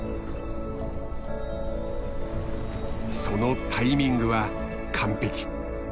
そのタイミングは完璧。